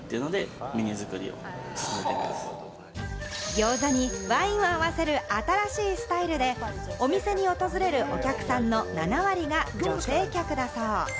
ギョーザにワインを合わせる新しいスタイルでお店に訪れるお客さんの７割が女性客だそう。